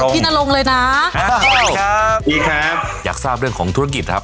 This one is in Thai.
พี่นารองเลยนะสวัสดีครับสวัสดีครับอยากทราบเรื่องของธุรกิจครับ